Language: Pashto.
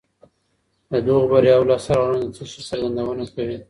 د دغو برياوو لاسته راوړنه د څه شي څرګندونه کوي؟